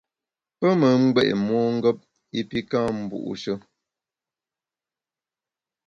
Pe me ngbé’ mongep i pi ka’ mbu’she.